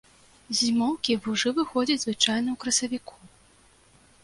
З зімоўкі вужы выходзяць звычайна ў красавіку.